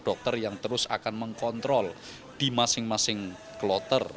dokter yang terus akan mengkontrol di masing masing kloter